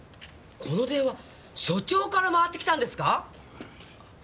この電話署長から回ってきたんですか